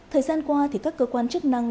thời gian qua các cơ quan chức năng